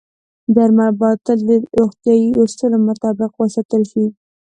درمل باید تل د روغتیايي اصولو مطابق وساتل شي.